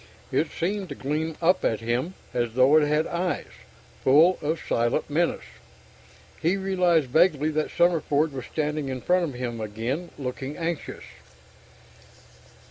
It seemed to gleam up at him, as though it had eyes, full of silent menace. He realized vaguely that Summerford was standing in front of him again, looking anxious.